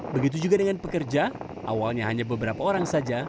begitu juga dengan pekerja awalnya hanya beberapa orang saja